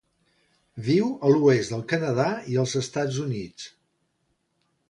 Viu a l'oest del Canadà i els Estats Units.